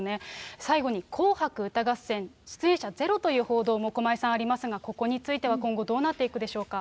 最後に紅白歌合戦出演者ゼロという報道も駒井さん、ありますが、ここについては今後どうなっていくでしょうか。